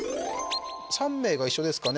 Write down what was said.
３名が一緒ですかね。